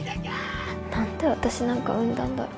何で私なんか生んだんだろう。